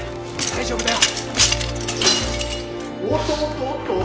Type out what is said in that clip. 大丈夫だよ。